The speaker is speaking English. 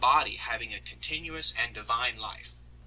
255 body having a continuous and divine life.